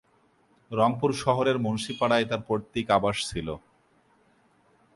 রংপুর শহরের মুন্সিপাড়ায় তার পৈতৃক আবাস ছিলো।